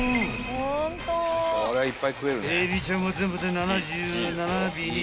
［海老ちゃんは全部で７７尾に］